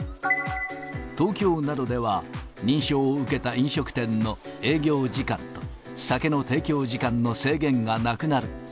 東京などでは認証を受けた飲食店の営業時間と酒の提供時間の制限がなくなる。